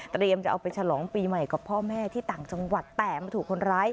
จะเอาไปฉลองปีใหม่กับพ่อแม่ที่ต่างจังหวัดแต่มาถูกคนร้าย